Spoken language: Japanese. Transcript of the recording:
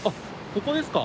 ここですか？